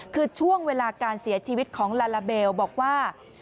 คือช่วงเวลาการเสียชีวิตของลาลาเบลบอกว่า